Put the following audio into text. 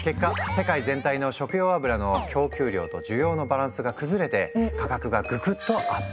世界全体の食用油の供給量と需要のバランスが崩れて価格がググッとアップ！